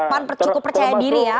pan cukup percaya diri ya